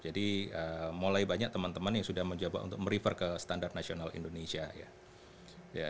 jadi mulai banyak teman teman yang sudah mencoba untuk merifer ke standar nasional indonesia ya